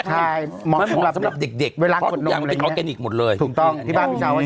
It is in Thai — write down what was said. ใช่มองสำหรับเด็กเพราะทุกอย่างมันเป็นออร์แกนิคหมดเลยถูกต้องที่บ้านพี่ชาวก็ใช่